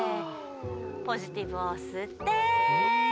ポジティブをすって。